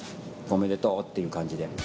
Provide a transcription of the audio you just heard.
おめでとうって感じで。